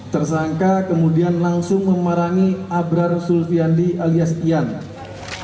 tersangka kemudian langsung memarangi abraar sulfiandi alias iyana